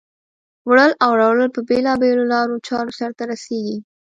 وړل او راوړل په بېلا بېلو لارو چارو سرته رسیږي.